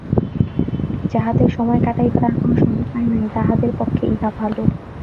যাহাদের সময় কাটাইবার আর কোনো সদুপায় নাই, তাহাদের পক্ষেই ইহা ভালো।